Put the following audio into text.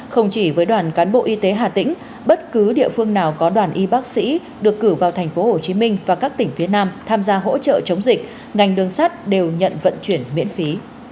không chỉ với đoàn cán bộ y tế hà tĩnh bất cứ địa phương nào có đoàn y bác sĩ được cử vào tp hcm và các tỉnh phía nam tham gia hỗ trợ chống dịch ngành đường sắt đều nhận vận chuyển miễn phí